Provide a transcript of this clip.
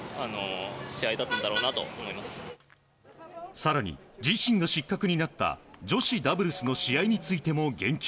更に、自身が失格になった女子ダブルスの試合についても言及。